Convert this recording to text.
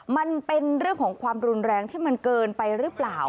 มันเป็นเรื่องของความรุนแรงที่มันเกินไปหรือเปล่า